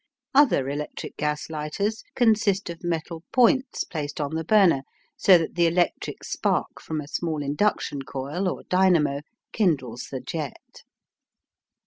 Other electric gas lighters consist of metal points placed on the burner, so that the electric spark from a small induction coil or dynamo kindles the jet.